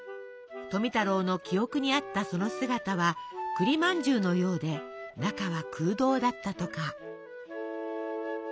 富太郎の記憶にあったその姿は栗まんじゅうのようで中は空洞だったとか。